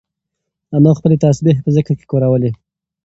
انا خپلې تسبیح په ذکر کې کارولې.